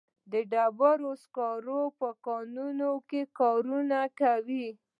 د ډبرو سکرو په کانونو کې کارونه کوي.